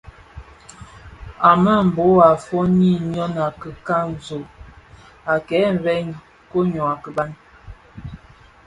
A mbembo a foňi ňyon a kikanzog a kè vëg koň ňyô a kiban.